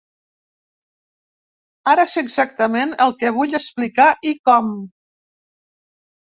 Ara sé exactament el que vull explicar i com.